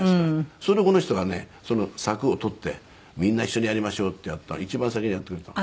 それでこの人がねその柵を取ってみんな一緒にやりましょうってやった一番先にやってくれたの。